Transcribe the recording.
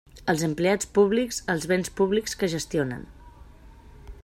Els empleats públics, els béns públics que gestionen.